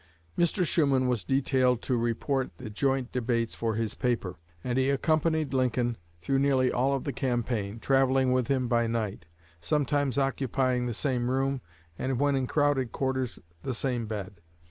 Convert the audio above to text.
Mr. Shuman was detailed to report the joint debates for his paper; and he accompanied Lincoln through nearly all of the campaign, travelling with him by night sometimes occupying the same room, and when in crowded quarters the same bed.